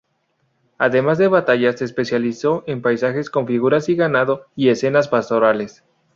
Además de batallas, se especializó en paisajes con figuras y ganado y escenas pastorales.